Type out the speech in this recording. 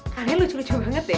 kalian lucu lucu banget ya